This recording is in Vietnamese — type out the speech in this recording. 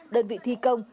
đơn vị thi công